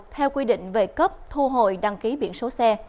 theo quy định về cấp thu hồi đăng ký biển số xe